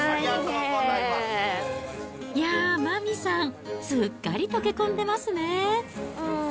いやー、麻美さん、すっかり溶け込んでますね。